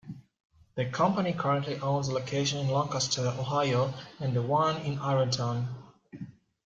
The company currently owns the location in Lancaster, Ohio and the one in Ironton.